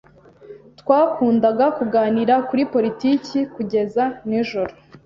Twakundaga kuganira kuri politiki kugeza nijoro.